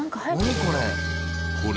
これ。